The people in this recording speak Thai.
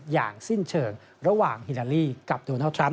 อย่างสิ้นเชิงระหว่างฮิลาลีกับโดนัลดทรัมป